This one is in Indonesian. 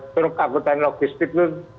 truk akutan logistik itu